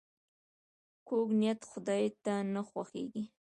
کوږ نیت خداي ته نه خوښیږي